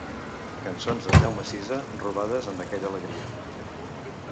Cançons d'en Jaume Sisa robades amb aquella alegria.